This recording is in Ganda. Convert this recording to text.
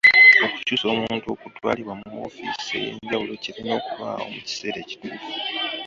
Okukyusa omuntu okutwalibwa mu woofiisi ey'enjawulo kirina okubaawo mu kiseera ekituufu.